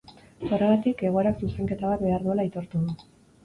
Horregatik, egoerak zuzenketa bat behar duela aitortu du.